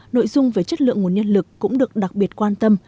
nội dung về chất lượng nguồn nhân lực cũng được đặc biệt quan tâm